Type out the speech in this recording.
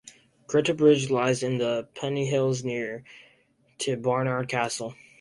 Greta Bridge lies in the Pennine hills near to Barnard Castle.